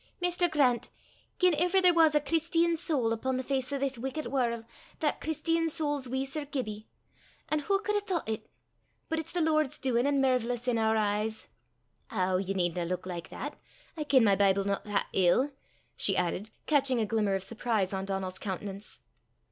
Maister Grant, gien ever there wis a Christi an sowl upo' the face o' this wickit warl', that Christi an sowl's wee Sir Gibbie! an' wha cud hae thoucht it! But it's the Lord's doin', an' mervellous in oor eyes! Ow! ye needna luik like that; I ken my Bible no that ill!" she added, catching a glimmer of surprise on Donal's countenance.